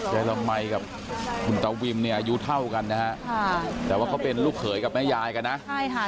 ยายละมัยกับคุณตาวิมเนี่ยอายุเท่ากันนะฮะค่ะแต่ว่าเขาเป็นลูกเขยกับแม่ยายกันนะใช่ค่ะ